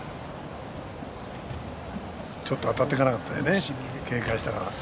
ちょっとあたっていかなかったね警戒したから。